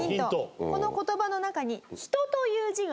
この言葉の中に「人」という字が入ります。